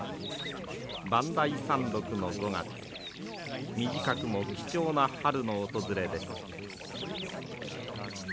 磐梯山麓の５月短くも貴重な春の訪れです。